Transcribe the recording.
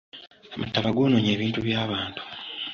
Amataba goonoonye ebintu by'abantu.